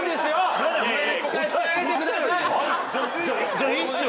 じゃあいいっすよ